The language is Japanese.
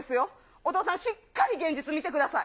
お父さん、しっかり現実見てください。